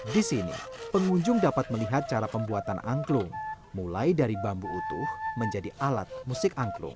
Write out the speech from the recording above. di sini pengunjung dapat melihat cara pembuatan angklung mulai dari bambu utuh menjadi alat musik angklung